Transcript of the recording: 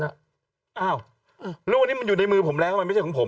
หลังว่านี่อยู่ในมือผมแล้วทำไมไม่ใช่ของผม